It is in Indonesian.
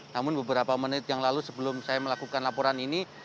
namun beberapa menit yang lalu sebelum saya melakukan laporan ini